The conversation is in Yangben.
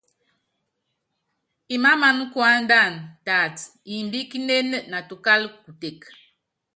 Imáámaná kuándana, taata, imbíkínéné natukála kuteke.